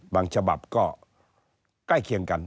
ฉบับก็ใกล้เคียงกัน